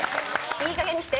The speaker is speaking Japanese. いいかげんにして。